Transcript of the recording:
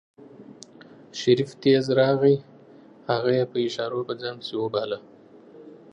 شريف تېز راغی هغه يې په اشارو په ځان پسې وباله.